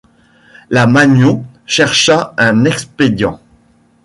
La Magnon chercha un expédient.